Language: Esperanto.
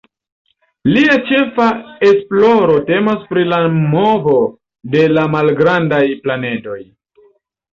Lia ĉefa esploro temas pri la movo de la malgrandaj planedoj.